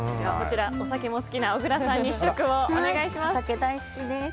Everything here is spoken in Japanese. お酒も好きな小倉さんに試食をお願いします。